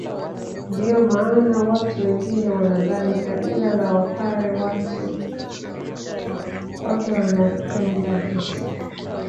Ndio maana watu wengine wanadhani kabila la wapare watu kwake wanapenda kesi